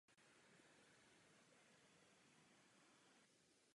Krátce před smrtí ještě řešil situaci ohledně nově vznikajícího Ekvádoru.